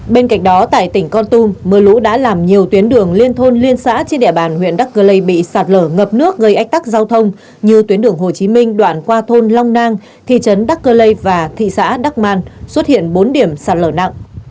bên cạnh đó tại tỉnh con tum mưa lũ đã làm nhiều tuyến đường liên thôn liên xã trên địa bàn huyện đắc cơ lây bị sạt lở ngập nước gây ách tắc giao thông như tuyến đường hồ chí minh đoạn qua thôn long nang thị trấn đắc cơ lây và thị xã đắc man xuất hiện bốn điểm sạt lở nặng